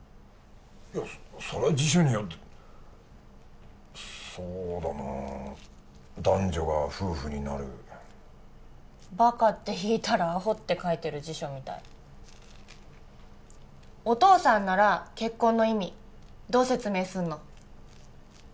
いやそれは辞書によってそうだな男女が夫婦になる「バカ」って引いたら「アホ」って書いてる辞書みたいお父さんなら結婚の意味どう説明すんの？